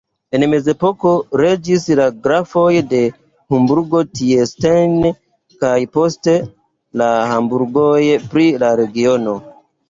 En mezepoko regis la Grafoj de Homburg-Thierstein kaj poste la Habsburgoj pri la regiono.